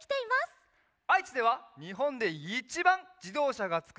あいちではにほんでいちばんじどうしゃがつくられているよ。